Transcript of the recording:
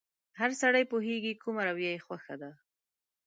هر سړی پوهېږي کومه رويه يې خوښه ده.